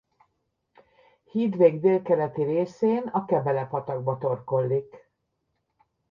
Hídvég délkeleti részén a Kebele-patakba torkollik.